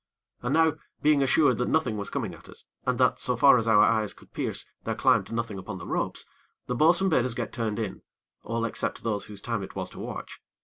And now, being assured that nothing was coming at us, and that, so far as our eyes could pierce, there climbed nothing upon the ropes, the bo'sun bade us get turned in, all except those whose time it was to watch.